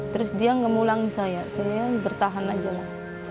terus dia ngemulangin saya saya bertahan aja lah